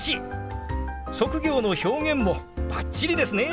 職業の表現もバッチリですね！